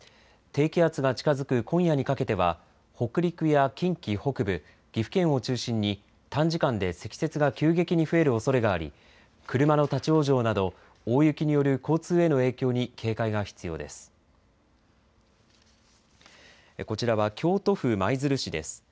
低気圧が近づく今夜にかけては、北陸や近畿北部、岐阜県を中心に、短時間で積雪が急激に増えるおそれがあり、車の立往生など、大雪による交通への影響に警戒が必要です。